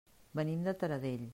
Venim de Taradell.